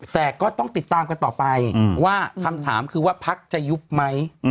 แต่ก็ต้องติดตามกันต่อไปว่าคำถามคือว่าพักจะยุบไหม